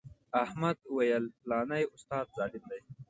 احمد ویل فلانی استاد ظالم دی.